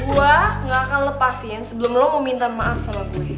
gue gak akan lepasin sebelum lo mau minta maaf sama gue